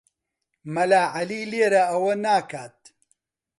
مەلا عەلی لێرە ئەوە ناکات.